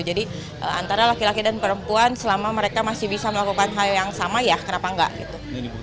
jadi antara laki laki dan perempuan selama mereka masih bisa melakukan hal yang sama ya kenapa enggak gitu